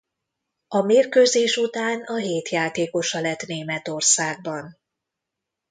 A mérkőzés után a Hét játékosa lett Németországban.